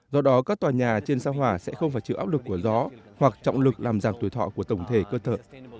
do đó các tòa nhà trên sao hỏa sẽ không phải chịu áp lực của gió hoặc trọng lực làm giảm tuổi thọ của tổng thể cơ thở